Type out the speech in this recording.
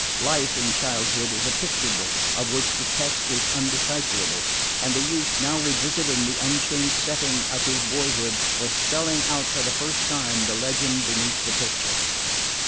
Life, in childhood, is a picture book of which the text is undecipherable; and the youth now revisiting the unchanged setting of his boyhood was spelling out for the first time the legend beneath the picture.